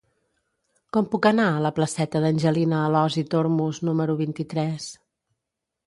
Com puc anar a la placeta d'Angelina Alòs i Tormos número vint-i-tres?